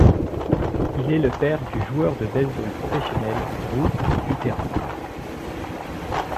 Il est le père du joueur de baseball professionnel Drew Butera.